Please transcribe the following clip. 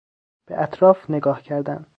به اطراف نگاه کردن